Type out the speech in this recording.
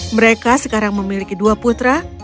mereka sekarang memiliki dua putra rian dan rodney